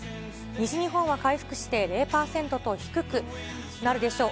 西日本は回復して０％と低くなるでしょう。